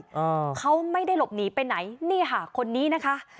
อ่าเขาไม่ได้หลบหนีไปไหนนี่ค่ะคนนี้นะคะ